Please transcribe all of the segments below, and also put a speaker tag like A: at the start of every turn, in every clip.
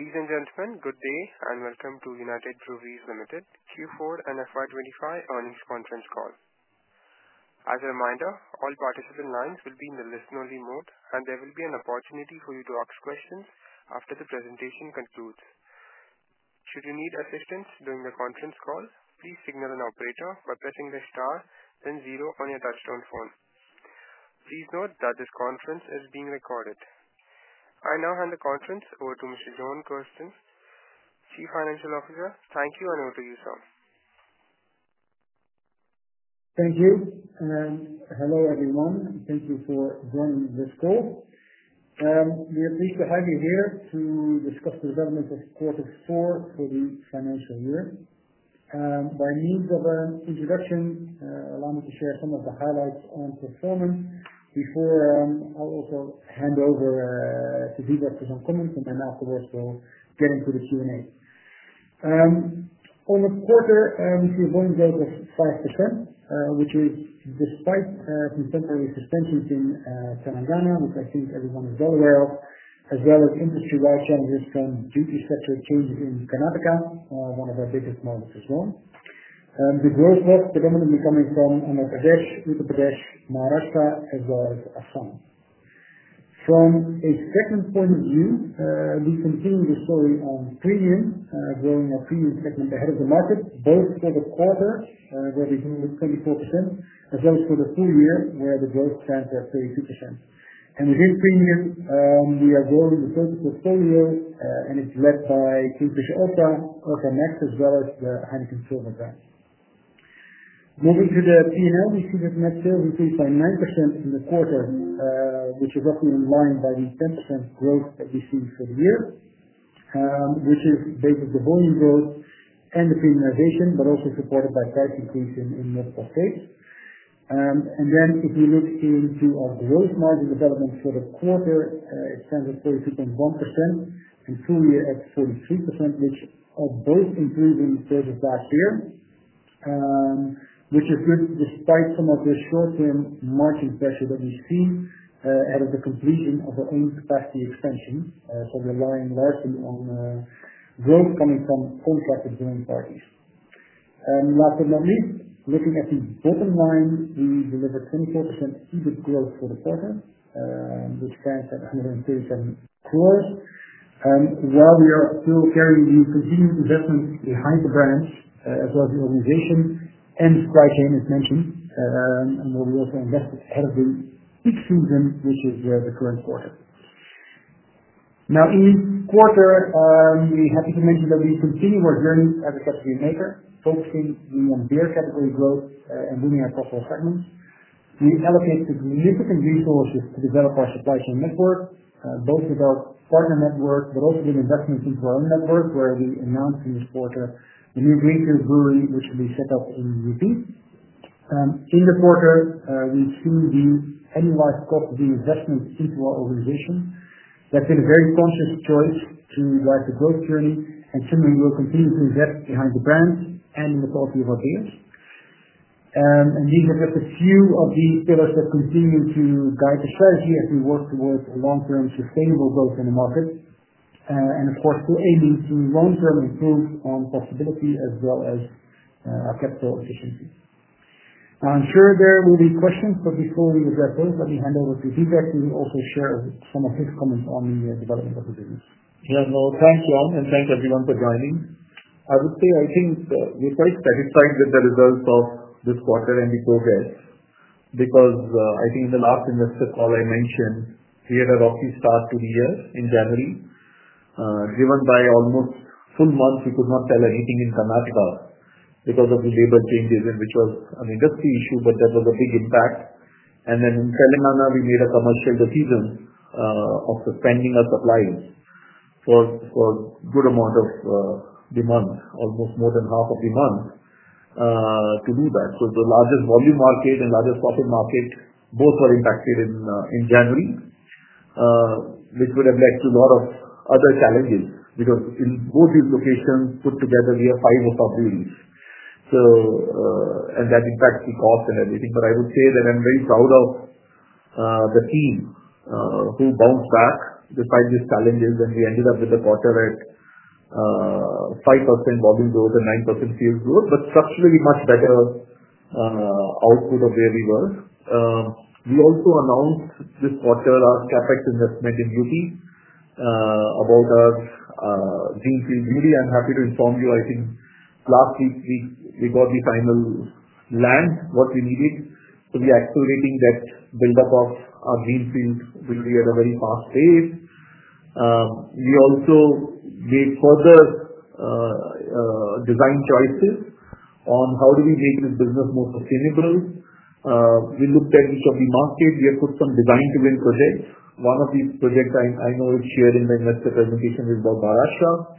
A: Ladies and gentlemen, good day and welcome to United Breweries Limited Q4 and FY2025 earnings conference call. As a reminder, all participant lines will be in the listen-only mode, and there will be an opportunity for you to ask questions after the presentation concludes. Should you need assistance during the conference call, please signal an operator by pressing the star, then zero on your touchstone phone. Please note that this conference is being recorded. I now hand the conference over to Mr. Jorn Kersten, Chief Financial Officer. Thank you and over to you, sir.
B: Thank you. Hello, everyone. Thank you for joining this call. We are pleased to have you here to discuss the development of quarter four for the financial year. By means of an introduction, allow me to share some of the highlights on performance. Before, I'll also hand over to Vivek for some comments, and then afterwards, we'll get into the Q&A. On the quarter, we see a growing growth of 5%, which is despite some temporary suspensions in Telangana, which I think everyone is well aware of, as well as industry-wide changes from duty sector changes in Karnataka, one of our biggest markets as well. The growth was predominantly coming from Uttar Pradesh, Maharashtra, as well as Assam. From a second point of view, we continue the story on premium, growing our premium segment ahead of the market, both for the quarter, where we grew 24%, as well as for the full year, where the growth stands at 32%. Within premium, we are growing the total portfolio, and it is led by Kingfisher Ultra, Ultra Max, as well as the Heineken Silver brand. Moving to the P&L, we see that net sales increased by 9% in the quarter, which is roughly in line with the 10% growth that we have seen for the year, which is based on the volume growth and the premiumization, but also supported by price increases in multiple states. If we look into our gross margin development for the quarter, it stands at 42.1%, and full year at 43%, which are both improving versus last year, which is good despite some of the short-term margin pressure that we've seen ahead of the completion of our own capacity expansion. We are relying largely on growth coming from contractor-building parties. Last but not least, looking at the bottom line, we delivered 24% EBIT growth for the quarter, which stands at INR 137 crores. While we are still carrying the continued investment behind the brand, as well as the organization and supply chain, as mentioned, and where we also invested ahead of the peak season, which is the current quarter. In quarter, we're happy to mention that we continue our journey as a category maker, focusing mainly on beer category growth and booming across all segments. We allocate significant resources to develop our supply chain network, both with our partner network, but also with investments into our own network, where we announced in this quarter the new Greenfield Brewery, which will be set up in UP. In the quarter, we've seen the annualized cost of the investment into our organization. That's been a very conscious choice to drive the growth journey, and similarly, we'll continue to invest behind the brand and in the quality of our beers. These are just a few of the pillars that continue to guide the strategy as we work towards long-term sustainable growth in the market. Of course, we're aiming to long-term improve on profitability as well as our capital efficiency. I'm sure there will be questions, but before we address those, let me hand over to Vivek to also share some of his comments on the development of the business.
C: Yeah, no, thanks, Jorn, and thanks everyone for joining. I would say I think we're quite satisfied with the results of this quarter and the progress because I think in the last investor call I mentioned, we had a rocky start to the year in January. Driven by almost full month, we could not sell anything in Karnataka because of the label changes, which was an industry issue, but that was a big impact. In Telangana, we made a commercial decision of suspending our supplies for a good amount of the month, almost more than half of the month, to do that. The largest volume market and largest profit market both were impacted in January, which would have led to a lot of other challenges because in both these locations put together, we have five sub-breweries. That impacts the cost and everything. I would say that I'm very proud of the team who bounced back despite these challenges, and we ended up with a quarter at 5% volume growth and 9% sales growth, but structurally much better output of where we were. We also announced this quarter our CapEx investment in UP about our Greenfield Brewery. I'm happy to inform you, I think last week we got the final land, what we needed. We are accelerating that build-up of our Greenfield Brewery at a very fast pace. We also made further design choices on how do we make this business more sustainable. We looked at each of the markets. We have put some design-to-win projects. One of these projects I know is shared in the investor presentation with Maharashtra.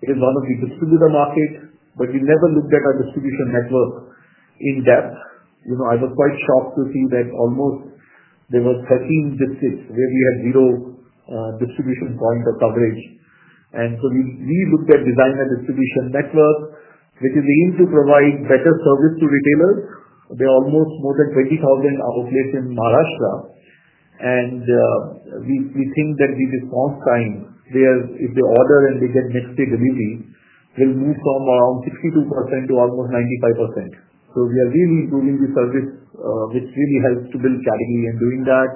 C: It is one of the distributor markets, but we never looked at our distribution network in depth. I was quite shocked to see that almost there were 13 districts where we had zero distribution point of coverage. We looked at design and distribution networks, which is aimed to provide better service to retailers. There are almost more than 20,000 outlets in Maharashtra. We think that the response time, where if they order and they get next-day delivery, will move from around 62% to almost 95%. We are really improving the service, which really helps to build category and doing that.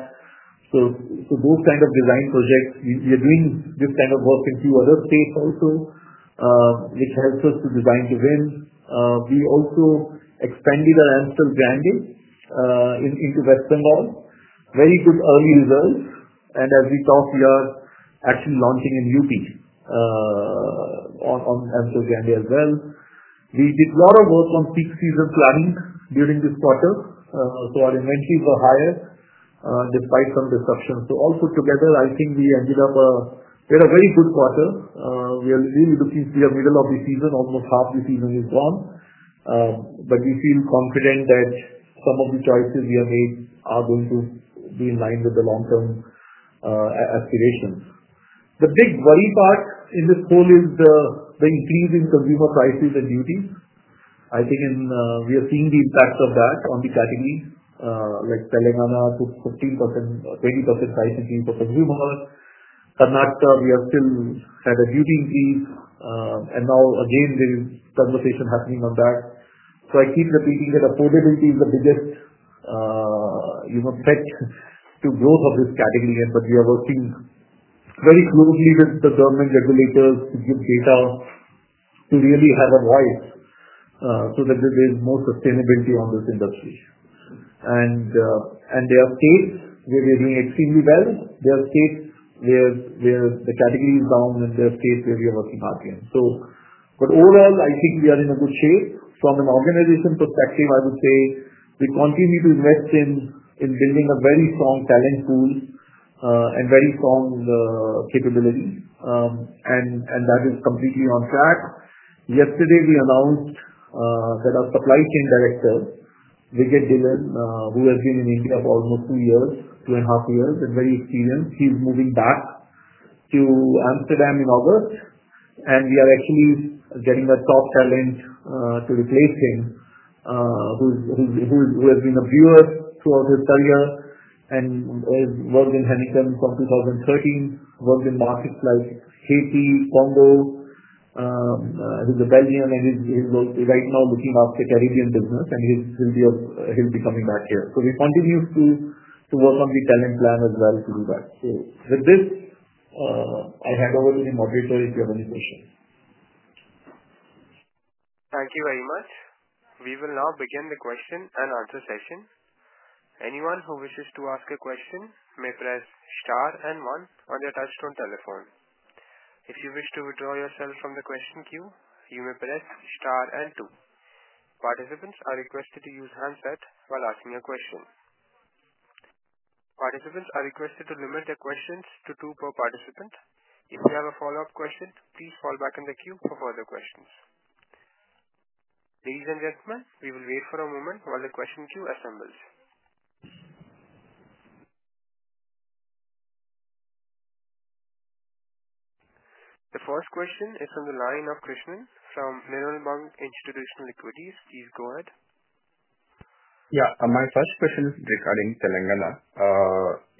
C: Those kinds of design projects, we are doing this kind of work in a few other states also, which helps us to design to win. We also expanded our Amstel branding into West Bengal. Very good early results. As we talk, we are actually launching in UP on Amstel Grande branding as well. We did a lot of work on peak season planning during this quarter. Our inventories were higher despite some disruptions. All put together, I think we ended up with a very good quarter. We are really looking to see our middle of the season. Almost half the season is gone. We feel confident that some of the choices we have made are going to be in line with the long-term aspirations. The big worry part in this whole is the increase in consumer prices and duties. I think we are seeing the impact of that on the category, like Telangana took 15%-20% price increase for consumers. Karnataka, we have still had a duty increase. Now, again, there is conversation happening on that. I keep repeating that affordability is the biggest threat to growth of this category. We are working very closely with the government regulators to give data to really have a voice so that there is more sustainability on this industry. There are states where we are doing extremely well. There are states where the category is down, and there are states where we are working hard again. Overall, I think we are in a good shape. From an organization perspective, I would say we continue to invest in building a very strong talent pool and very strong capability. That is completely on track. Yesterday, we announced that our Supply Chain Director, Wiggert Deelen, who has been in India for almost two years, two and a half years, is very experienced. He is moving back to Amsterdam in August. We are actually getting a top talent to replace him, who has been a brewer throughout his career and has worked in Heineken from 2013, worked in markets like Haiti, Congo. He is a Belgian, and he is right now looking after the Caribbean business, and he will be coming back here. We continue to work on the talent plan as well to do that. With this, I hand over to the moderator if you have any questions.
A: Thank you very much. We will now begin the question and answer session. Anyone who wishes to ask a question may press star and one on their touchstone telephone. If you wish to withdraw yourself from the question queue, you may press star and two. Participants are requested to use handset while asking a question. Participants are requested to limit their questions to two per participant. If you have a follow-up question, please fall back in the queue for further questions. Ladies and gentlemen, we will wait for a moment while the question queue assembles. The first question is from the line of Krishnan from Nirmal Bang Institutional Equities. Please go ahead.
D: Yeah, my first question is regarding Telangana.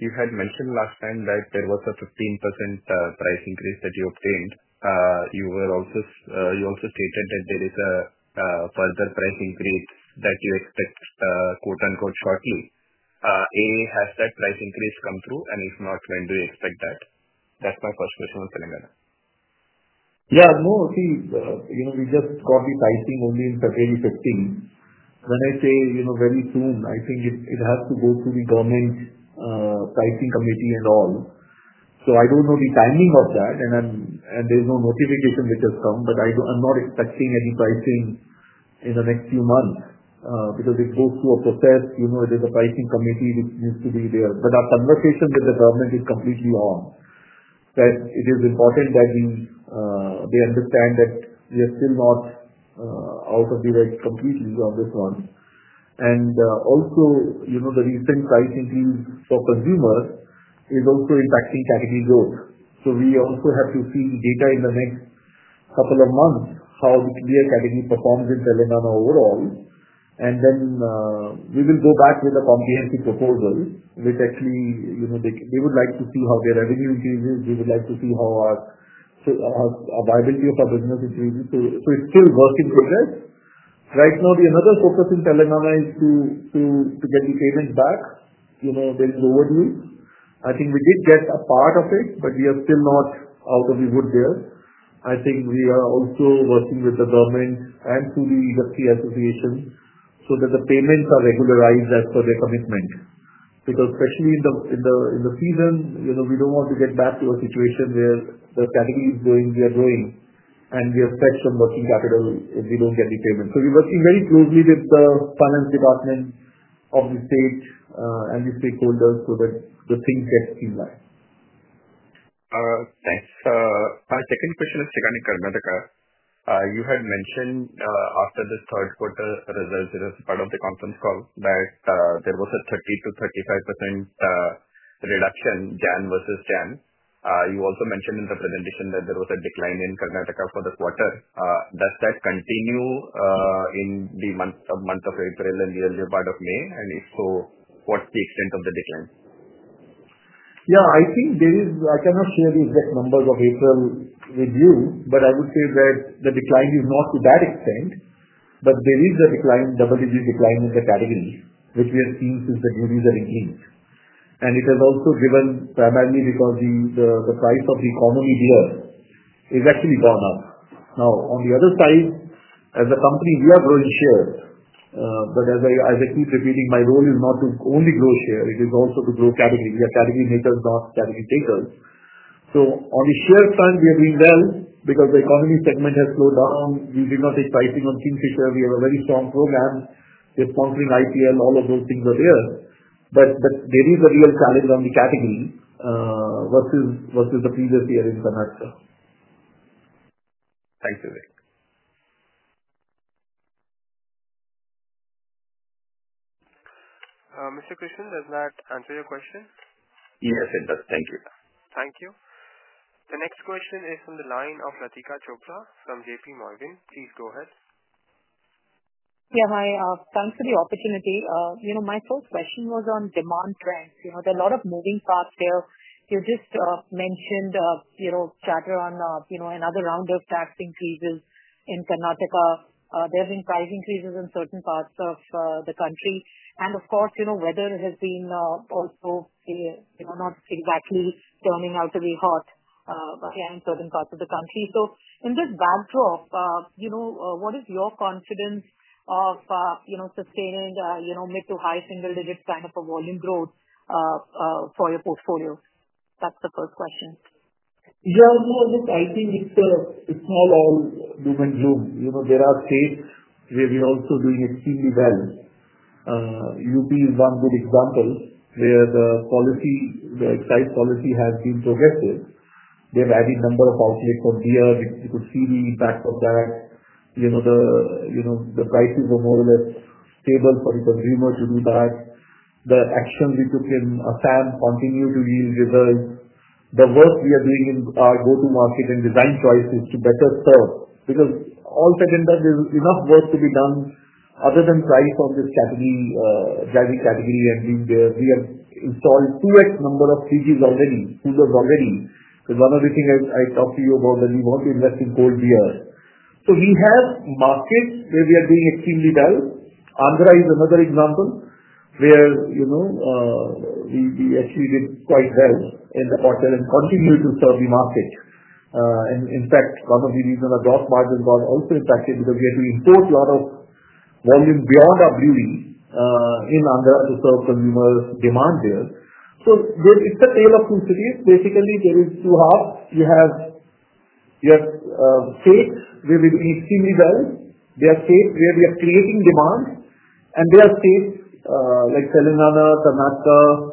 D: You had mentioned last time that there was a 15% price increase that you obtained. You also stated that there is a further price increase that you expect "shortly." Has that price increase come through? If not, when do you expect that? That's my first question on Telangana.
C: Yeah, no, see, we just got the pricing only on February 15. When I say very soon, I think it has to go through the government pricing committee and all. I do not know the timing of that, and there is no notification which has come, but I am not expecting any pricing in the next few months because it goes through a process. There is a pricing committee which needs to be there. Our conversation with the government is completely on that it is important that they understand that we are still not out of the way completely on this one. Also, the recent price increase for consumers is also impacting category growth. We also have to see the data in the next couple of months, how the beer category performs in Telangana overall. We will go back with a comprehensive proposal, which actually they would like to see how their revenue increases. They would like to see how our viability of our business increases. It is still a work in progress. Right now, another focus in Telangana is to get the payments back. There is overdue. I think we did get a part of it, but we are still not out of the wood there. I think we are also working with the government and through the industry association so that the payments are regularized as per their commitment. Especially in the season, we do not want to get back to a situation where the category is growing, we are growing, and we are stretched on working capital if we do not get the payments. We're working very closely with the finance department of the state and the stakeholders so that the things get streamlined.
D: Thanks. My second question is regarding Karnataka. You had mentioned after the third quarter results as part of the conference call that there was a 30-35% reduction Jan versus Jan. You also mentioned in the presentation that there was a decline in Karnataka for the quarter. Does that continue in the month of April and the earlier part of May? If so, what is the extent of the decline?
C: Yeah, I think there is, I cannot share the exact numbers of April with you, but I would say that the decline is not to that extent. There is a decline in United Breweries' decline in the category, which we have seen since the duties have increased. It has also given primarily because the price of the economy beer has actually gone up. Now, on the other side, as a company, we are growing shares. As I keep repeating, my role is not to only grow shares. It is also to grow category. We are category makers, not category takers. On the share front, we are doing well because the economy segment has slowed down. We did not take pricing on Kingfisher. We have a very strong program. We're sponsoring IPL. All of those things are there. There is a real challenge on the category versus the previous year in Karnataka.
D: Thanks, Vivek.
A: Mr. Krishnan, does that answer your question?
D: Yes, it does. Thank you.
A: Thank you. The next question is from the line of Latika Chopra from JPMorgan. Please go ahead.
E: Yeah, hi. Thanks for the opportunity. My first question was on demand trends. There are a lot of moving parts here. You just mentioned chatter on another round of tax increases in Karnataka. There have been price increases in certain parts of the country. Of course, weather has been also not exactly turning out to be hot in certain parts of the country. In this backdrop, what is your confidence of sustaining mid to high single-digit kind of a volume growth for your portfolio? That's the first question.
C: Yeah, no, I think it's not all doom and gloom. There are states where we are also doing extremely well. UP is one good example where the excise policy has been progressive. They've added a number of outlets of beer, which you could see the impact of that. The prices are more or less stable for the consumer to do that. The actions we took in Assam continue to yield results. The work we are doing in our go-to-market and design choices to better serve. Because all said and done, there's enough work to be done other than price on this driving category and being there. We have installed two times number of fridges already, coolers already. There's one other thing I talked to you about that we want to invest in cold beer. We have markets where we are doing extremely well. Andhra is another example where we actually did quite well in the quarter and continue to serve the market. In fact, one of the reasons our gross margin was also impacted because we had to import a lot of volume beyond our brewery in Andhra to serve consumer demand there. It is a tale of two cities. Basically, there are two halves. You have states where we are doing extremely well. There are states where we are creating demand. There are states like Telangana,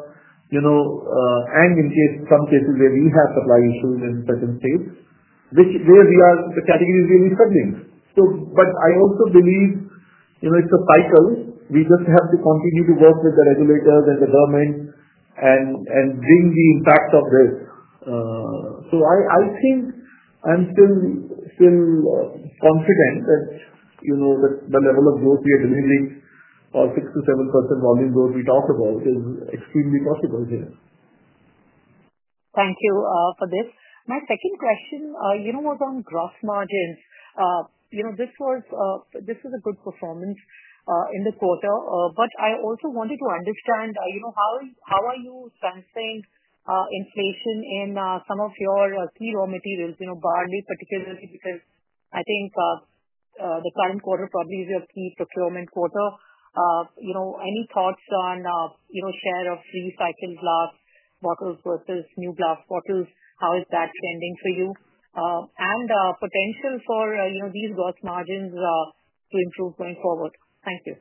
C: Karnataka, and in some cases where we have supply issues in certain states, which is where the category is really struggling. I also believe it is a cycle. We just have to continue to work with the regulators and the government and bring the impact of this. I think I'm still confident that the level of growth we are delivering, our 6-7% volume growth we talked about, is extremely possible here.
E: Thank you for this. My second question was on gross margins. This was a good performance in the quarter. I also wanted to understand how are you sensing inflation in some of your key raw materials, Bharati, particularly because I think the current quarter probably is your key procurement quarter. Any thoughts on share of recycled glass bottles versus new glass bottles? How is that trending for you? And potential for these gross margins to improve going forward? Thank you.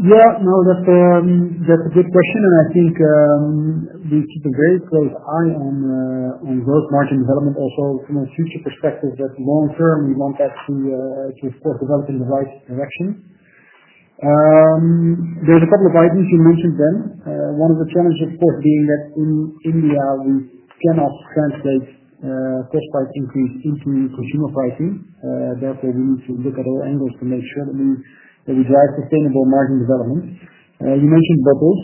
B: Yeah, no, that's a good question. I think we keep a very close eye on gross margin development also from a future perspective that long-term, we want that to, of course, develop in the right direction. There's a couple of items you mentioned then. One of the challenges, of course, being that in India, we cannot translate cost price increase into consumer pricing. Therefore, we need to look at all angles to make sure that we drive sustainable margin development. You mentioned bottles.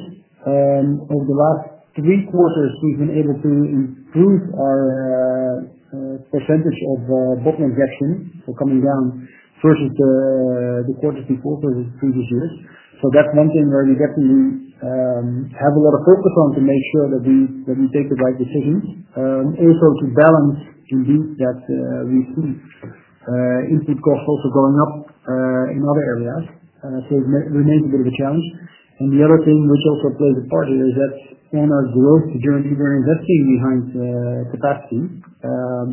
B: Over the last three quarters, we've been able to improve our percentage of bottle injection for coming down versus the quarter before versus previous years. That's one thing where we definitely have a lot of focus on to make sure that we take the right decisions. Also, to balance indeed that we see input costs also going up in other areas. It remains a bit of a challenge. The other thing which also plays a part here is that on our growth journey, we're investing behind capacity.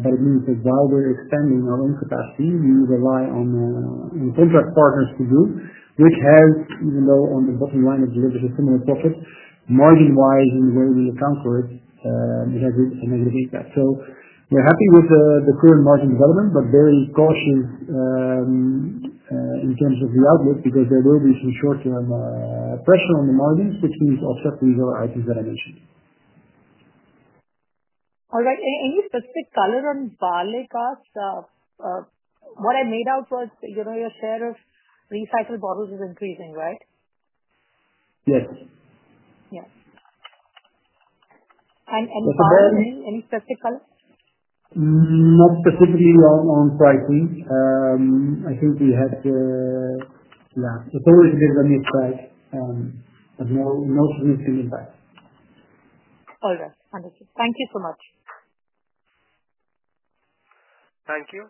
B: It means that while we're expanding our own capacity, we rely on contract partners to do, which has, even though on the bottom line it delivers a similar profit, margin-wise and the way we account for it, it has a negative impact. We're happy with the current margin development, but very cautious in terms of the outlook because there will be some short-term pressure on the margins, which means offset these other items that I mentioned.
E: All right. Any specific color on Bharati costs? What I made out was your share of recycled bottles is increasing, right?
B: Yes.
E: Yeah. Bharati, any specific color?
B: Not specifically on pricing. I think we had, yeah, it's always a bit of a mixed bag, but no significant impact.
E: All right. Understood. Thank you so much.
A: Thank you.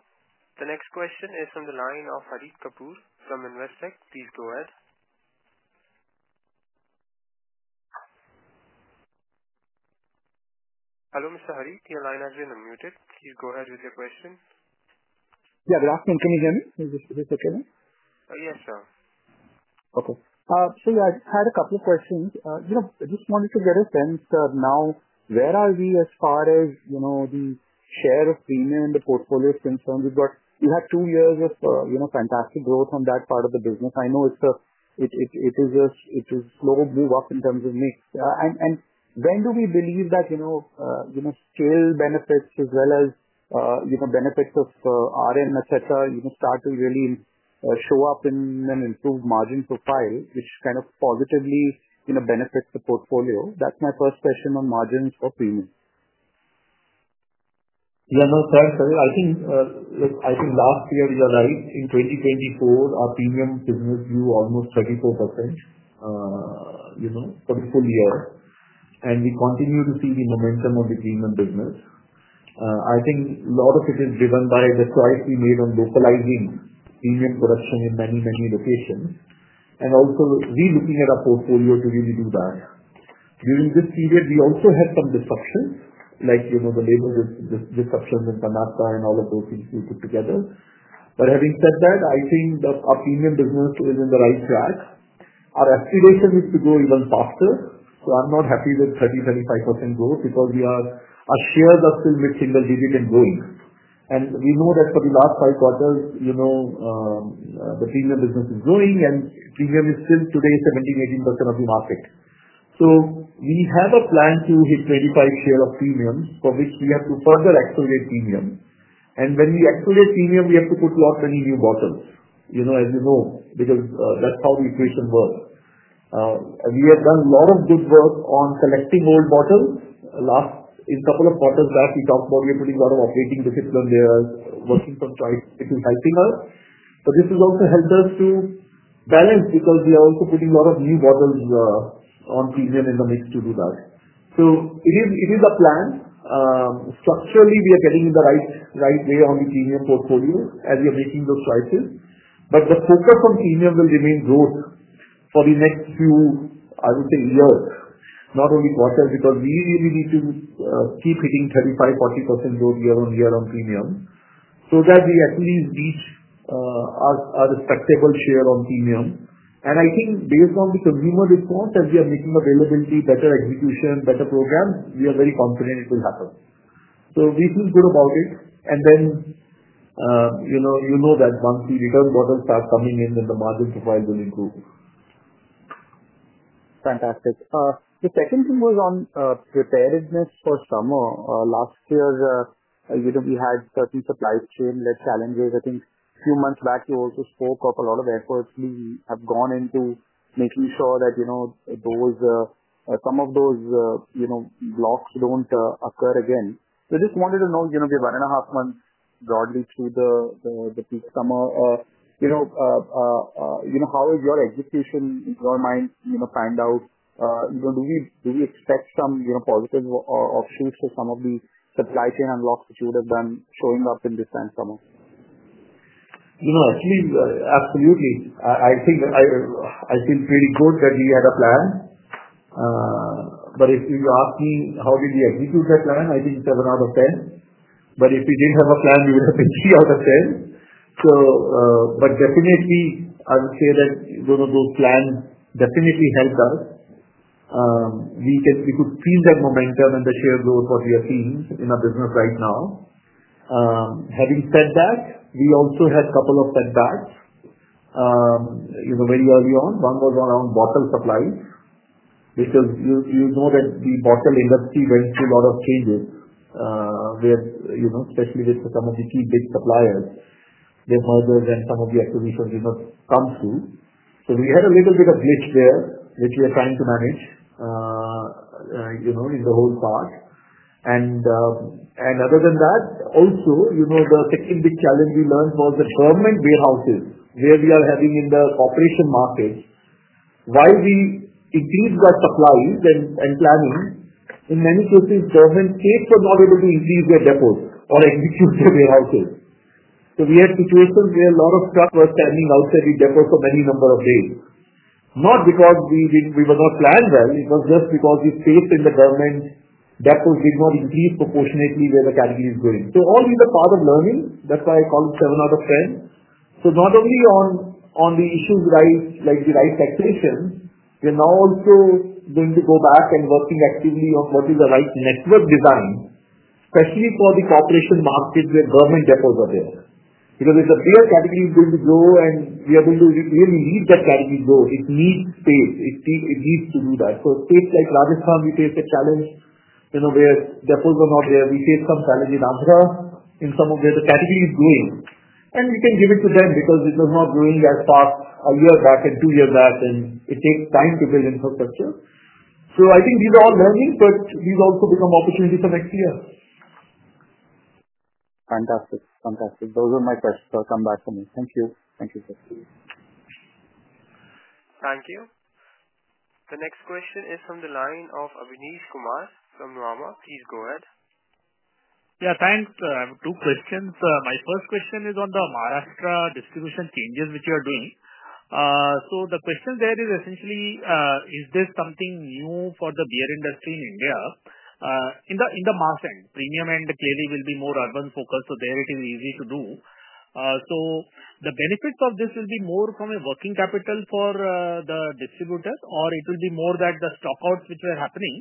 A: The next question is from the line of Harit Kapoor from Invest Tech. Please go ahead. Hello, Mr. Harit. Your line has been unmuted. Please go ahead with your question.
F: Yeah, good afternoon. Can you hear me? Is this okay?
A: Yes, sir.
F: Okay. So yeah, I had a couple of questions. I just wanted to get a sense now, where are we as far as the share of premium in the portfolio is concerned? We had two years of fantastic growth on that part of the business. I know it is a slow move up in terms of mix. And when do we believe that scale benefits as well as benefits of RM, etc., start to really show up in an improved margin profile, which kind of positively benefits the portfolio? That's my first question on margins for premium.
C: Yeah, no, thanks. I think last year, you're right. In 2024, our premium business grew almost 34% for the full year. And we continue to see the momentum of the premium business. I think a lot of it is driven by the choice we made on localizing premium production in many, many locations. are also relooking at our portfolio to really do that. During this period, we also had some disruptions, like the labor disruptions in Karnataka and all of those things we put together. Having said that, I think our premium business is on the right track. Our expectation is to go even faster. I'm not happy with 30-35% growth because our shares are still mid-single digit and growing. We know that for the last five quarters, the premium business is growing, and premium is still today 17-18% of the market. We have a plan to hit 25% share of premium, for which we have to further accelerate premium. When we accelerate premium, we have to put a lot of new bottles, as you know, because that's how the equation works. We have done a lot of good work on collecting old bottles. A couple of quarters back, we talked about we are putting a lot of operating discipline there, working from choice. It is helping us. This has also helped us to balance because we are also putting a lot of new bottles on premium in the mix to do that. It is a plan. Structurally, we are getting in the right way on the premium portfolio as we are making those choices. The focus on premium will remain growth for the next few, I would say, years, not only quarters, because we really need to keep hitting 35%-40% growth year on year on premium so that we at least reach our respectable share on premium. I think based on the consumer response as we are making availability, better execution, better programs, we are very confident it will happen. We feel good about it. You know that once the return bottles start coming in, then the margin profile will improve.
F: Fantastic. The second thing was on preparedness for summer. Last year, we had certain supply chain challenges. I think a few months back, you also spoke of a lot of efforts we have gone into making sure that some of those blocks do not occur again. I just wanted to know, we have one and a half months broadly through the peak summer. How is your execution in your mind panned out? Do we expect some positive offshoots of some of the supply chain unlocks that you would have done showing up in this time summer?
C: Actually, absolutely. I think I feel pretty good that we had a plan. If you ask me how did we execute that plan, I think it is seven out of 10. If we did not have a plan, we would have been three out of 10. I would say that those plans definitely helped us. We could feel that momentum and the share growth we are seeing in our business right now. Having said that, we also had a couple of setbacks very early on. One was around bottle supplies because you know that the bottle industry went through a lot of changes, especially with some of the key big suppliers where mergers and some of the acquisitions did not come through. We had a little bit of a glitch there, which we are trying to manage in the whole part. Other than that, also, the second big challenge we learned was the government warehouses where we are having in the corporation market. While we increased our supplies and planning, in many cases, government states were not able to increase their depots or execute their warehouses. We had situations where a lot of trucks were standing outside the depots for many number of days. Not because we were not planned well, it was just because we faced in the government depots did not increase proportionately where the category is going. All these are part of learning. That is why I call it seven out of 10. Not only on the issues like the right taxation, we are now also going to go back and working actively on what is the right network design, especially for the corporation market where government depots are there. Because if the beer category is going to grow and we are going to really lead that category grow, it needs space. It needs to do that. States like Rajasthan, we faced a challenge where depots were not there. We faced some challenge in Agra. In some of there, the category is growing. We can give it to them because it was not growing as fast a year back and two years back, and it takes time to build infrastructure. I think these are all learnings, but these also become opportunities for next year.
F: Fantastic. Fantastic. Those were my questions. I'll come back to them. Thank you. Thank you.
A: Thank you. The next question is from the line of Abneesh Kumar from Nuvama. Please go ahead.
G: Yeah, thanks. I have two questions. My first question is on the Maharashtra distribution changes which you are doing. The question there is essentially, is this something new for the beer industry in India? In the mass end, premium end clearly will be more urban focused, so there it is easy to do. The benefits of this will be more from a working capital for the distributors, or it will be more that the stockouts which were happening,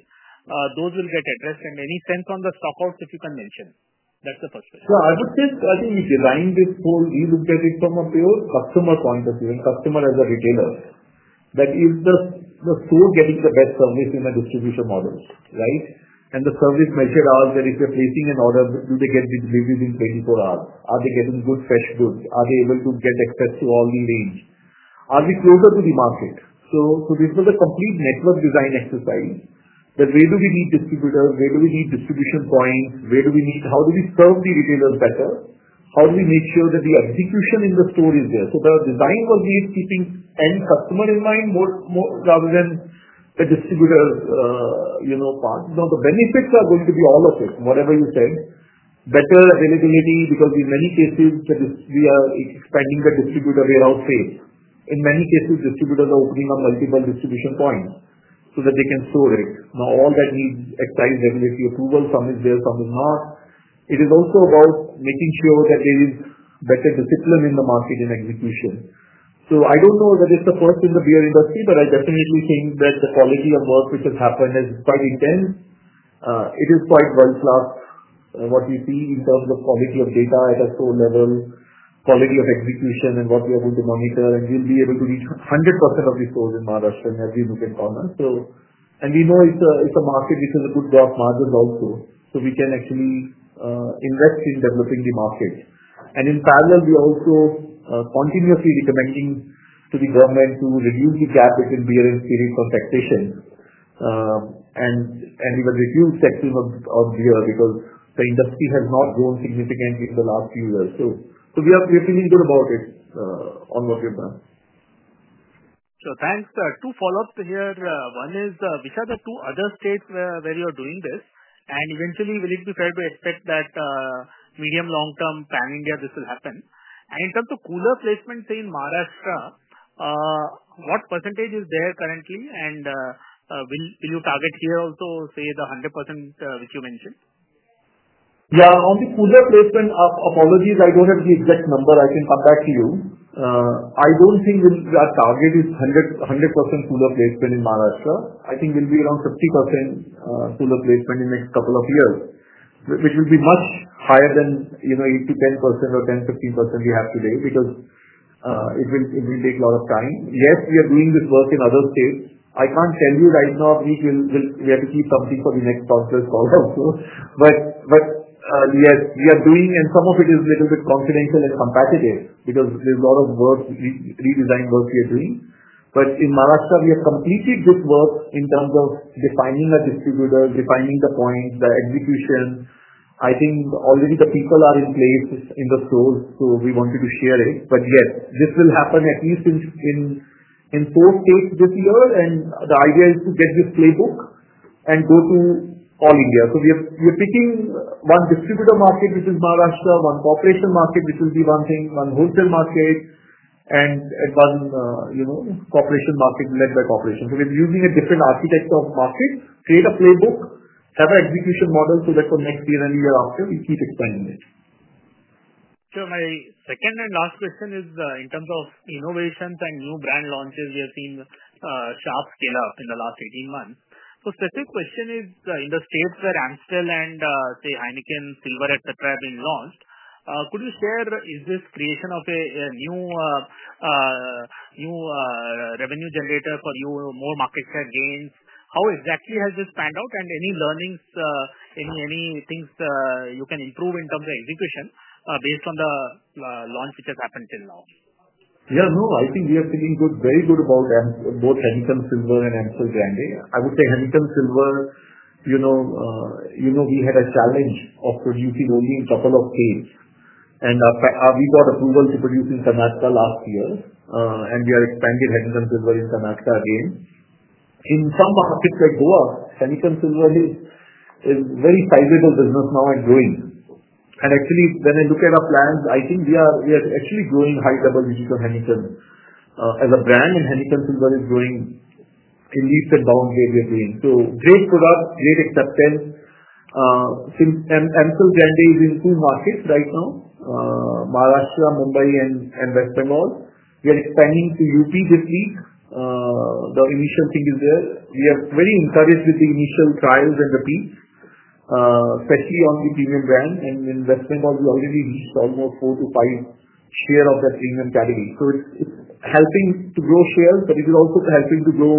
G: those will get addressed? Any sense on the stockouts if you can mention? That's the first question.
C: Yeah, I would say I think we designed this whole, we looked at it from a pure customer point of view and customer as a retailer. That is, the store getting the best service in the distribution models, right? And the service measured out that if you're placing an order, do they get delivered within 24 hours? Are they getting good fresh goods? Are they able to get access to all the range? Are we closer to the market? This was a complete network design exercise. Where do we need distributors? Where do we need distribution points? How do we serve the retailers better? How do we make sure that the execution in the store is there? The design was really keeping end customer in mind rather than the distributor part. Now, the benefits are going to be all of it, whatever you said. Better availability because in many cases, we are expanding the distributor warehouse space. In many cases, distributors are opening up multiple distribution points so that they can store it. Now, all that needs excise regulatory approval. Some is there, some is not. It is also about making sure that there is better discipline in the market in execution. I do not know that it is the first in the beer industry, but I definitely think that the quality of work which has happened is quite intense. It is quite world-class what we see in terms of quality of data at a store level, quality of execution, and what we are going to monitor. We will be able to reach 100% of the stores in Maharashtra as we look at corners. We know it's a market which has a good gross margin also. We can actually invest in developing the market. In parallel, we are also continuously recommending to the government to reduce the gap between beer and spirit from taxation. We will reduce taxes on beer because the industry has not grown significantly in the last few years. We are feeling good about it on what we have done.
G: Thanks. Two follow-ups here. One is, which are the two other states where you are doing this? Eventually, will it be fair to expect that medium-long-term pan-India this will happen? In terms of cooler placement, say in Maharashtra, what percentage is there currently? Will you target here also, say, the 100% which you mentioned?
C: Yeah, on the cooler placement, apologies, I don't have the exact number. I can come back to you. I don't think our target is 100% cooler placement in Maharashtra. I think we'll be around 50% cooler placement in the next couple of years, which will be much higher than 8-10% or 10-15% we have today because it will take a lot of time. Yes, we are doing this work in other states. I can't tell you right now which, we have to keep something for the next councilor's call also. Yes, we are doing, and some of it is a little bit confidential and compatible because there's a lot of work, redesign work we are doing. In Maharashtra, we have completed this work in terms of defining a distributor, defining the points, the execution. I think already the people are in place in the stores, so we wanted to share it. Yes, this will happen at least in four states this year. The idea is to get this playbook and go to all India. We are picking one distributor market, which is Maharashtra, one corporation market, which will be one thing, one wholesale market, and one corporation market led by corporation. We are using a different architecture of market, create a playbook, have an execution model so that for next year and the year after, we keep expanding it.
G: My second and last question is in terms of innovations and new brand launches, we have seen sharps scale up in the last 18 months. My second question is in the states where Amstel and, say, Heineken Silver, etc., have been launched, could you share is this creation of a new revenue generator for you, more market share gains? How exactly has this panned out? Any learnings, any things you can improve in terms of execution based on the launch which has happened till now?
C: Yeah, no, I think we are feeling good, very good about both Heineken Silver and Amstel Grande. I would say Heineken Silver, you know, we had a challenge of producing only in a couple of states. We got approval to produce in Karnataka last year. We have expanded Heineken Silver in Karnataka again. In some markets like Goa, Heineken Silver is a very sizable business now and growing. Actually, when I look at our plans, I think we are actually growing high double digit on Heineken as a brand, and Heineken Silver is growing in leaps and bounds where we are doing. Great product, great acceptance. Amstel Grande is in two markets right now, Maharashtra, Mumbai, and West Bengal. We are expanding to UP this week. The initial thing is there. We are very encouraged with the initial trials and repeats, especially on the premium brand. In West Bengal, we already reached almost four to five shares of that premium category. It is helping to grow shares, but it is also helping to grow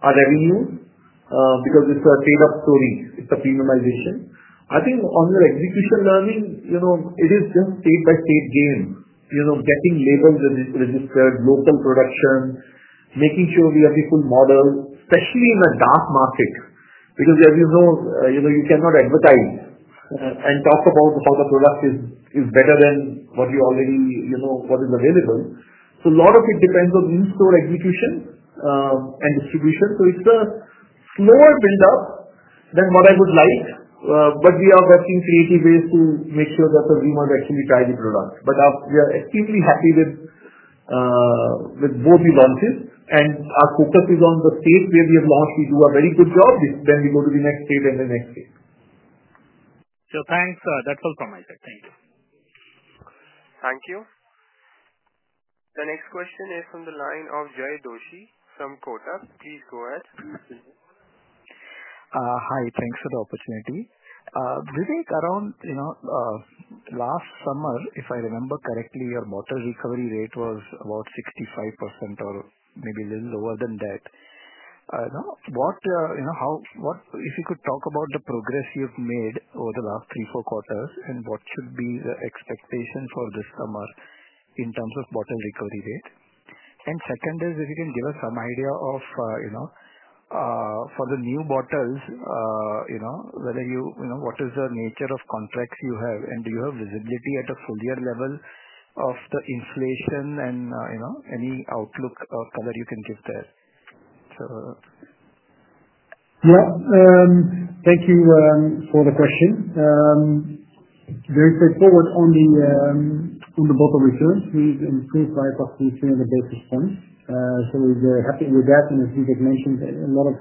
C: our revenue because it is a paid-up story. It is a premiumization. I think on the execution learning, it is just a state-by-state game, getting labels registered, local production, making sure we have the full model, especially in a dark market because, as you know, you cannot advertise and talk about how the product is better than what is already available. A lot of it depends on in-store execution and distribution. It is a slower buildup than what I would like, but we are working creative ways to make sure that the rumors actually try the product. We are extremely happy with both the launches. Our focus is on the states where we have launched. We do a very good job. Then we go to the next state and the next state.
G: Thanks. That's all from my side. Thank you.
A: Thank you. The next question is from the line of Jay Doshi from Kotak. Please go ahead.
H: Hi. Thanks for the opportunity. Vivek, around last summer, if I remember correctly, your bottle recovery rate was about 65% or maybe a little lower than that. If you could talk about the progress you've made over the last three, four quarters, and what should be the expectation for this summer in terms of bottle recovery rate? Second is, if you can give us some idea of for the new bottles, what is the nature of contracts you have, and do you have visibility at a full-year level of the inflation and any outlook or color you can give there?
B: Yeah. Thank you for the question. Very straightforward on the bottle returns. We've improved by approximately 300 basis points. We're very happy with that. As Vivek mentioned, a lot of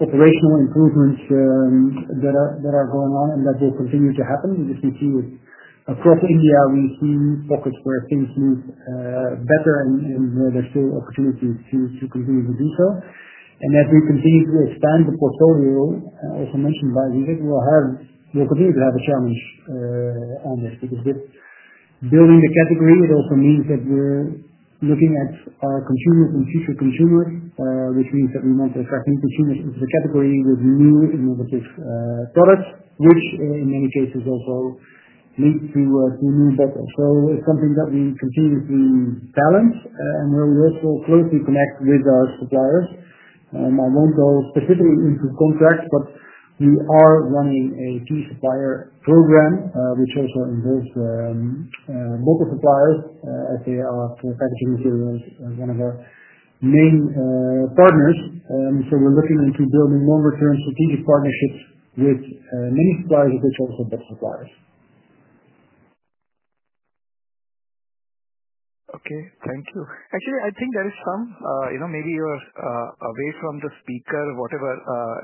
B: operational improvements that are going on, and that will continue to happen. As you can see, across India, we see pockets where things move better, and there's still opportunity to continue to do so. As we continue to expand the portfolio, as mentioned by Vivek, we'll continue to have a challenge on this because building the category, it also means that we're looking at our consumers and future consumers, which means that we want to attract new consumers into the category with new innovative products, which in many cases also lead to new bottles. It's something that we continuously balance and where we also closely connect with our suppliers. I won't go specifically into contracts, but we are running a key supplier program, which also involves bottle suppliers as they are for packaging materials, one of our main partners. We are looking into building longer-term strategic partnerships with many suppliers, of which also bottle suppliers.
H: Okay. Thank you. Actually, I think there is some, maybe you're away from the speaker, whatever,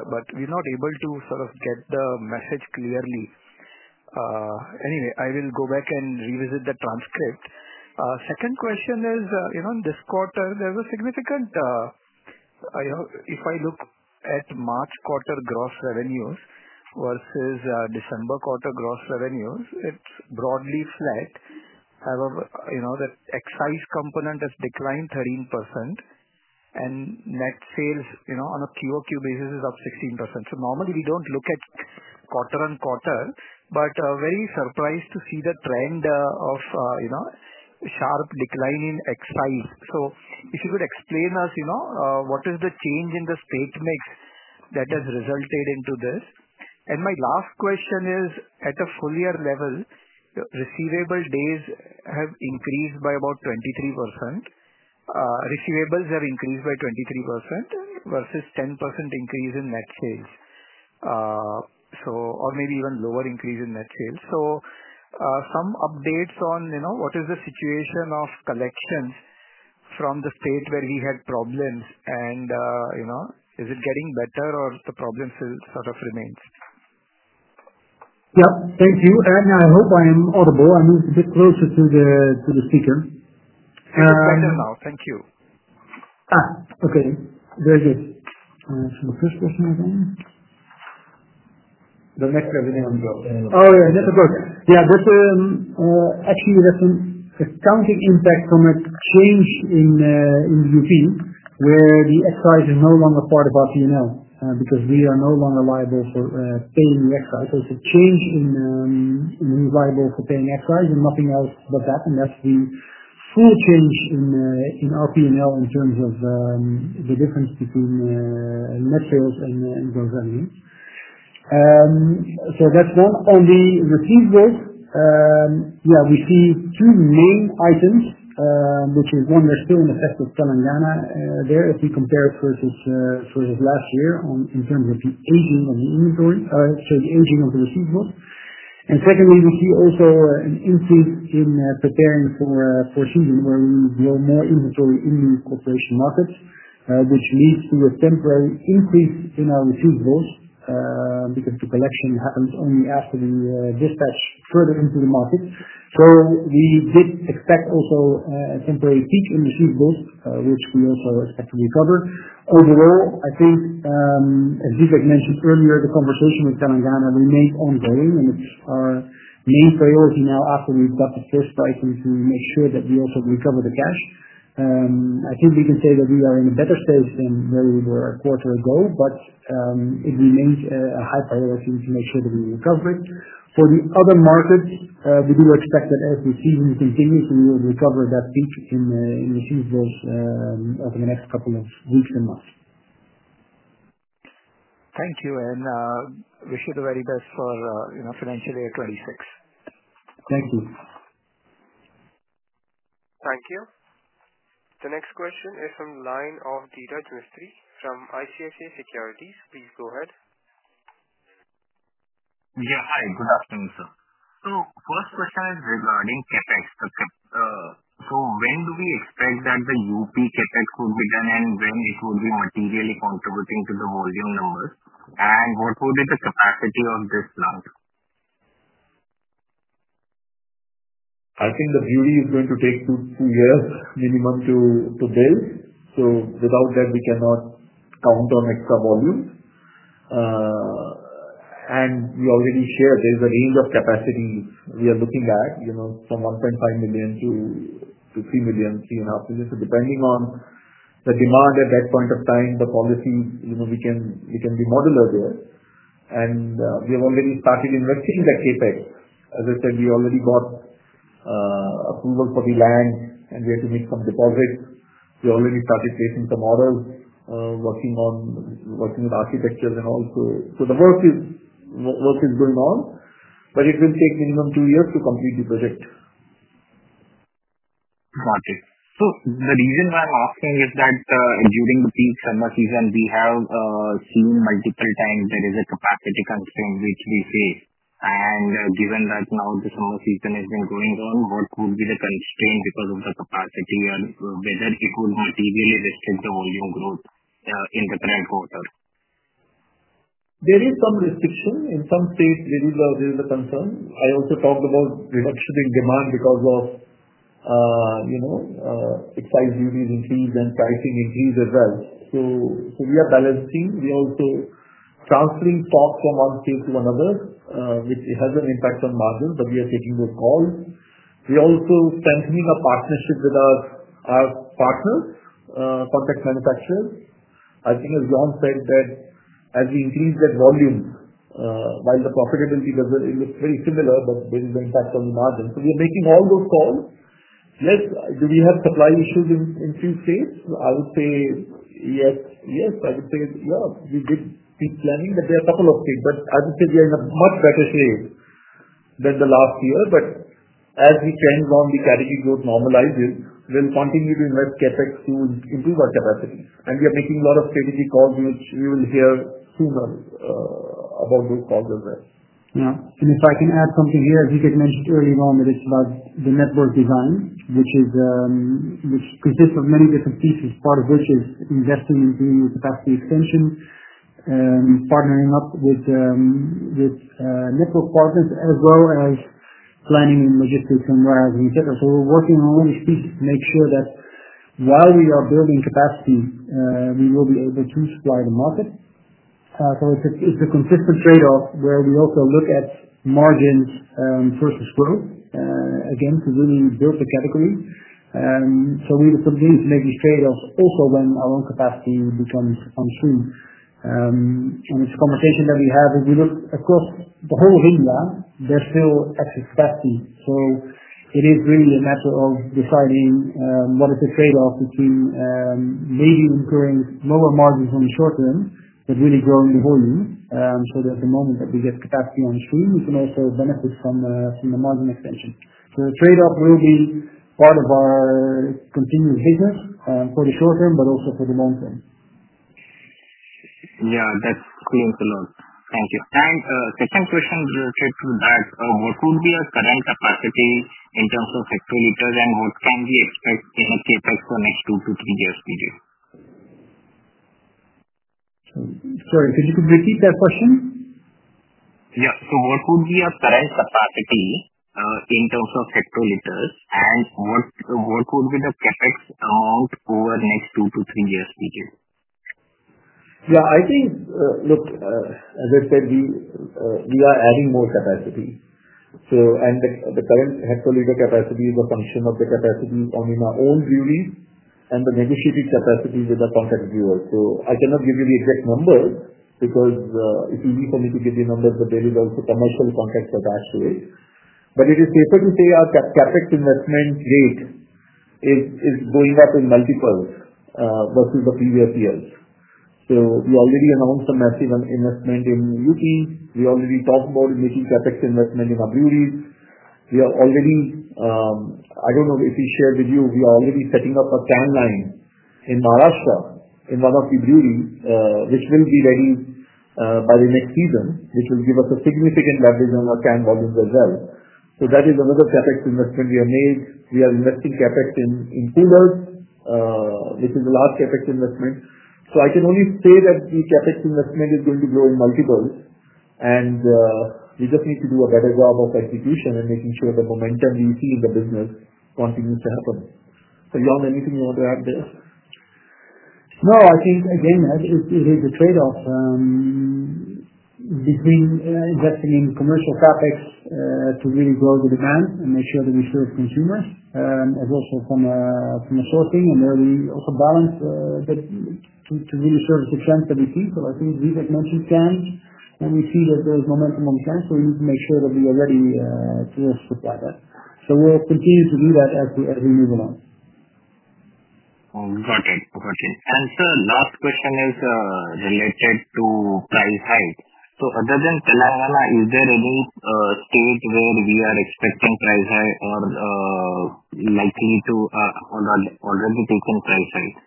H: but we're not able to sort of get the message clearly. Anyway, I will go back and revisit the transcript. Second question is, in this quarter, there was significant, if I look at March quarter gross revenues versus December quarter gross revenues, it's broadly flat. However, the excise component has declined 13%, and net sales on a QOQ basis is up 16%. Normally, we don't look at quarter on quarter, but very surprised to see the trend of sharp decline in excise. If you could explain to us what is the change in the state mix that has resulted into this? My last question is, at a full-year level, receivable days have increased by about 23%. Receivables have increased by 23% versus 10% increase in net sales, or maybe even lower increase in net sales. Some updates on what is the situation of collections from the state where we had problems? Is it getting better, or the problem still sort of remains?
B: Yep. Thank you. I hope I am audible. I moved a bit closer to the speaker.
H: It's better now. Thank you.
B: Okay. Very good.
H: The first question again. The next revenue on the ground.
B: Oh, yeah. That's a good. Yeah. Actually, there's an accounting impact from a change in UP where the excise is no longer part of our P&L because we are no longer liable for paying the excise. There's a change in who's liable for paying excise, and nothing else but that. That's the full change in our P&L in terms of the difference between net sales and gross revenue. That's one. On the receivables, yeah, we see two main items, which is one, there's still an effect of Telangana there if we compare it versus last year in terms of the aging of the inventory, sorry, the aging of the receivables. Secondly, we see also an increase in preparing for season where we will grow more inventory in corporation markets, which leads to a temporary increase in our receivables because the collection happens only after we dispatch further into the market. We did expect also a temporary peak in receivables, which we also expect to recover. Overall, I think, as Vivek mentioned earlier, the conversation with Telangana remains ongoing, and it is our main priority now after we have got the first pricing to make sure that we also recover the cash. I think we can say that we are in a better space than where we were a quarter ago, but it remains a high priority to make sure that we recover it. For the other markets, we do expect that as the season continues, we will recover that peak in receivables over the next couple of weeks and months.
H: Thank you. I wish you the very best for financial year 2026.
B: Thank you.
A: Thank you. The next question is from Line of Dhiraj Mistry from ICICI Securities. Please go ahead.
I: Yeah. Hi. Good afternoon, sir. First question is regarding CapEx. When do we expect that the UP CapEx would be done and when it would be materially contributing to the volume numbers? What would be the capacity of this plant?
C: I think the brewery is going to take two years minimum to build. Without that, we cannot count on extra volumes. We already shared there is a range of capacities we are looking at from 1.5 million-3 million, 3.5 million. Depending on the demand at that point of time, the policy, we can be modular there. We have already started investing in the CapEx. As I said, we already got approval for the land, and we had to make some deposits. We already started placing some orders, working on architectures, and all. The work is going on, but it will take minimum two years to complete the project.
I: Got it. The reason why I'm asking is that during the peak summer season, we have seen multiple times there is a capacity constraint, which we face. Given that now the summer season has been going on, what would be the constraint because of the capacity and whether it would materially restrict the volume growth in the current quarter?
C: There is some restriction. In some states, there is a concern. I also talked about reduction in demand because of excise duties increase and pricing increase as well. We are balancing. We are also transferring stock from one state to another, which has an impact on margins, but we are taking those calls. We are also strengthening our partnership with our partners, contract manufacturers. I think, as Jorn said, that as we increase that volume, while the profitability does not look very similar, but there is an impact on the margin. We are making all those calls. Yes, do we have supply issues in a few states? I would say yes. Yes. I would say, yeah, we did keep planning, but there are a couple of states. I would say we are in a much better shape than the last year. As we change on the category, growth normalizes, we'll continue to invest CapEx to improve our capacity. We are making a lot of strategic calls, which we will hear sooner about those calls as well.
B: Yeah. If I can add something here, as Vivek mentioned early on, it's about the network design, which consists of many different pieces, part of which is investing in doing capacity extension, partnering up with network partners, as well as planning in logistics and warehousing, etc. We're working on all these pieces to make sure that while we are building capacity, we will be able to supply the market. It's a consistent trade-off where we also look at margins versus growth, again, to really build the category. We continue to make these trade-offs also when our own capacity becomes unseen. It is a conversation that we have as we look across the whole of India, there is still excess capacity. It is really a matter of deciding what is the trade-off between maybe incurring lower margins in the short term but really growing the volume. There is a moment that we get capacity unseen, we can also benefit from the margin extension. The trade-off will be part of our continuous business for the short term, but also for the long term.
I: Yeah. That's clear to know. Thank you. Second question related to that, what would be your current capacity in terms of hectoliters, and what can we expect in a CapEx for the next two to three years period?
B: Sorry. Could you repeat that question?
I: Yeah. So what would be your current capacity in terms of hectoliters, and what would be the CapEx amount over the next two to three years period?
C: Yeah. I think, look, as I said, we are adding more capacity. The current hectoliter capacity is a function of the capacity on our own brewery and the negotiated capacity with the contract brewers. I cannot give you the exact numbers because it's easy for me to give you numbers, but there is also commercial context attached to it. It is safer to say our CapEx investment rate is going up in multiples versus the previous years. We already announced a massive investment in UP. We already talked about making CapEx investment in our brewery. I do not know if we shared with you, we are already setting up a can line in Maharashtra in one of the breweries, which will be ready by the next season, which will give us significant leverage on our can volumes as well. That is another CapEx investment we have made. We are investing CapEx in coolers, which is the last CapEx investment. I can only say that the CapEx investment is going to grow in multiples, and we just need to do a better job of execution and making sure the momentum we see in the business continues to happen. Jorn, anything you want to add there?
B: No. I think, again, it is a trade-off between investing in commercial CapEx to really grow the demand and make sure that we serve consumers, as well as from sourcing, and where we also balance to really service the trends that we see. I think Vivek mentioned cans, and we see that there is momentum on cans, so we need to make sure that we are ready to supply that. We will continue to do that as we move along.
I: Okay. Okay. Sir, last question is related to price hike. Other than Telangana, is there any state where we are expecting price hike or likely to already taken price hike?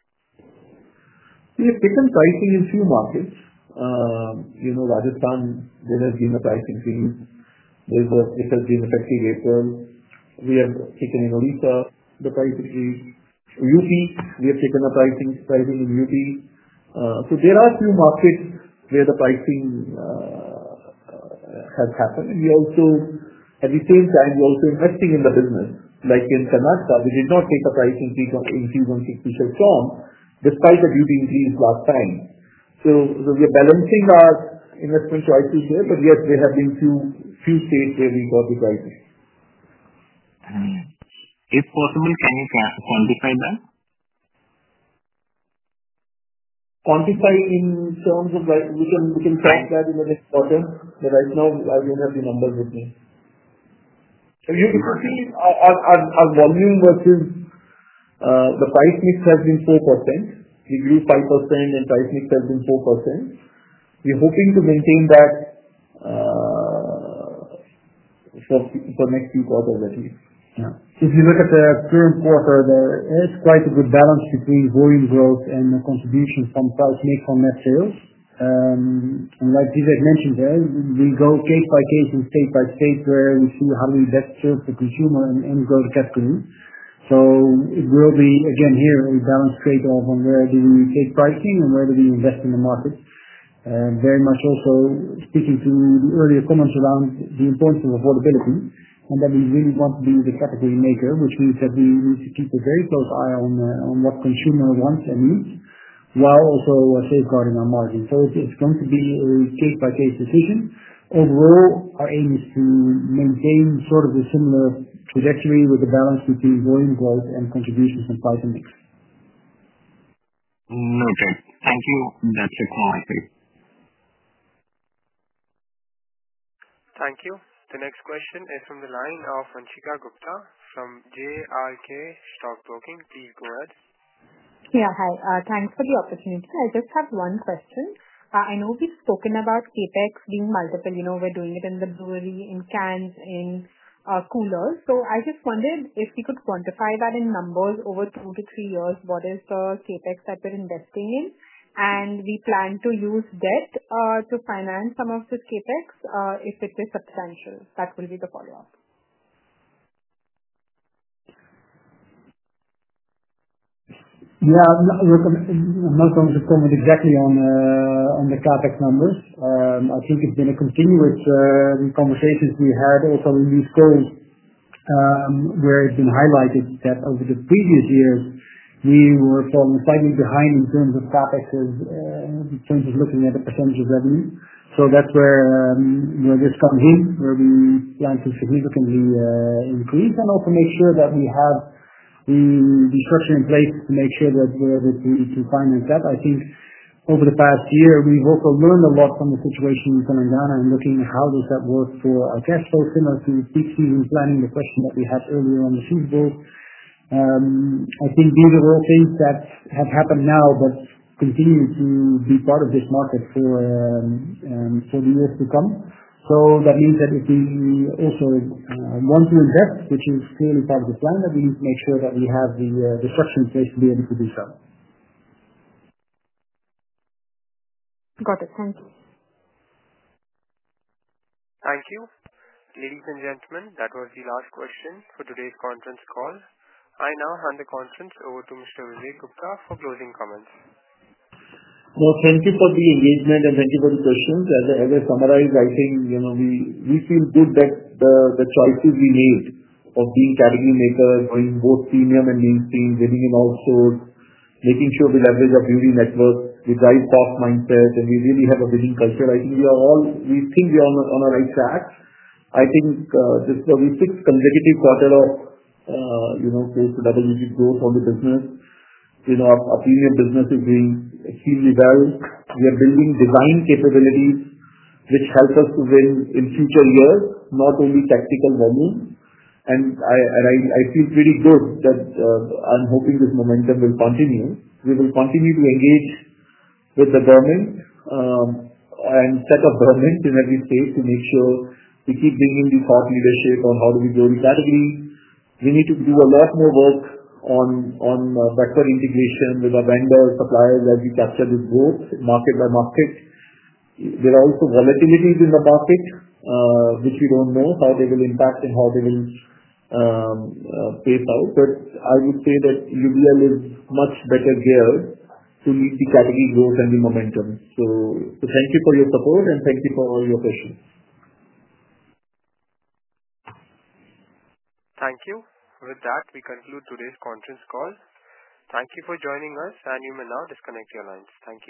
C: We have taken pricing in a few markets. Rajasthan, there has been a pricing increase. It has been effective April. We have taken in Orissa. The price increase. UP, we have taken a pricing increase in UP. There are a few markets where the pricing has happened. At the same time, we are also investing in the business. Like in Karnataka, we did not take a pricing increase on Kingfisher Strong despite the duty increase last time. We are balancing our investment choices there, but yes, there have been a few states where we got the pricing.
I: If possible, can you quantify that?
C: Quantify in terms of we can track that in the next quarter. Right now, I do not have the numbers with me. You can see our volume versus the price mix has been 4%. We grew 5%, and price mix has been 4%. We are hoping to maintain that for the next few quarters, at least.
B: If you look at the current quarter, there is quite a good balance between volume growth and the contribution from price mix on net sales. Like Vivek mentioned there, we go case by case and state by state where we see how do we best serve the consumer and grow the category. It will be, again, here a balanced trade-off on where do we take pricing and where do we invest in the market. Very much also speaking to the earlier comments around the importance of affordability and that we really want to be the category maker, which means that we need to keep a very close eye on what consumer wants and needs while also safeguarding our margin. It is going to be a case-by-case decision. Overall, our aim is to maintain sort of a similar trajectory with the balance between volume growth and contributions from price and mix.
I: Okay. Thank you. That's it from my side.
A: Thank you. The next question is from the line of Vanshika Gupta from JRK Stockbroking. Please go ahead.
J: Yeah. Hi. Thanks for the opportunity. I just have one question. I know we've spoken about CapEx being multiple. We're doing it in the brewery, in cans, in coolers. I just wondered if we could quantify that in numbers over two to three years, what is the CapEx that we're investing in? We plan to use debt to finance some of this CapEx if it is substantial. That will be the follow-up.
B: Yeah. I'm not going to comment exactly on the CapEx numbers. I think it's been a continuous conversation we had also in these calls where it's been highlighted that over the previous years, we were falling slightly behind in terms of CapEx in terms of looking at the percentage of revenue. That's where this comes in, where we plan to significantly increase and also make sure that we have the structure in place to make sure that we can finance that. I think over the past year, we've also learned a lot from the situation in Telangana and looking at how does that work for our cash flow similar to peak season planning, the question that we had earlier on the food growth. I think these are all things that have happened now but continue to be part of this market for the years to come. That means that if we also want to invest, which is clearly part of the plan, we need to make sure that we have the structure in place to be able to do so.
J: Got it. Thank you.
A: Thank you. Ladies and gentlemen, that was the last question for today's conference call. I now hand the conference over to Mr. Vivek Gupta for closing comments.
C: Thank you for the engagement and thank you for the questions. As I summarize, I think we feel good that the choices we made of being category maker, going both premium and mainstream, bidding in outsource, making sure we leverage our beauty network, we drive cost mindset, and we really have a bidding culture. I think we are all we think we are on the right track. I think this will be six consecutive quarters of close to double-digit growth on the business. Our premium business is doing extremely well. We are building design capabilities, which help us to win in future years, not only tactical volume. I feel pretty good that I'm hoping this momentum will continue. We will continue to engage with the government and set up government in every state to make sure we keep bringing the thought leadership on how do we grow the category. We need to do a lot more work on backward integration with our vendors, suppliers as we capture this growth market by market. There are also volatilities in the market, which we do not know how they will impact and how they will play out. I would say that UBL is much better geared to meet the category growth and the momentum. Thank you for your support, and thank you for all your questions.
A: Thank you. With that, we conclude today's conference call. Thank you for joining us, and you may now disconnect your lines. Thank you.